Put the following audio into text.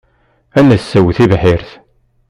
Ad nessew tibḥirt.